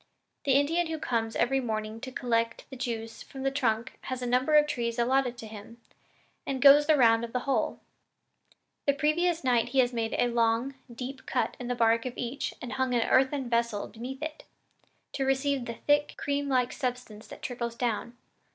The Indian who comes every morning to collect the juice from the trunk has a number of trees allotted to him, and goes the round of the whole. The previous night he has made a long, deep cut in the bark of each and hung an earthen vessel beneath, to receive the thick, creamlike substance that trickles down.